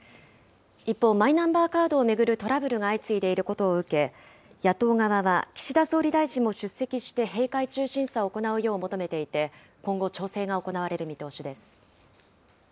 一方、マイナンバーカードを巡るトラブルが相次いでいることを受け、野党側は岸田総理大臣も出席して閉会中審査を行うよう求めていて、今後、調整が行われる見通しです。